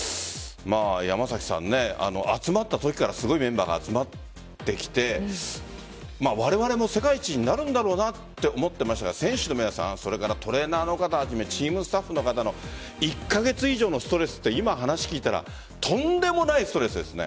山崎さん、集まったときからすぐメンバーが集まってきてわれわれも世界一になるんだろうなと思っていましたが選手の皆さん、それからトレーナーの方はじめチームスタッフの方の１カ月以上のストレスって今、話を聞いたらとんでもないストレスですね。